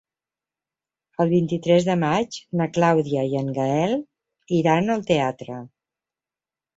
El vint-i-tres de maig na Clàudia i en Gaël iran al teatre.